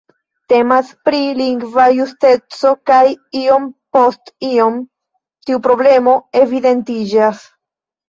Temas pri lingva justeco kaj iom post iom tiu problemo evidentiĝas.